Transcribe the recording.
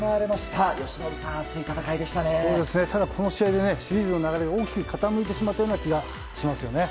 ただこの試合でシリーズの流れが大きく傾いてしまった気がしますね。